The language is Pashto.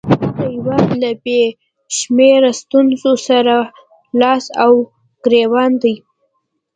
هغه هیواد له بې شمېره ستونزو سره لاس او ګرېوان دی.